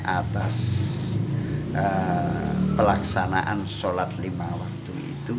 atas pelaksanaan sholat lima waktu itu